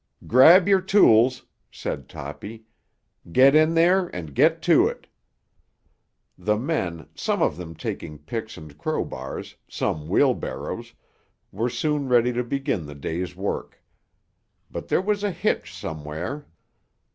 "Grab your tools," said Toppy. "Get in there and get to it." The men, some of them taking picks and crowbars, some wheelbarrows, were soon ready to begin the day's work. But there was a hitch somewhere.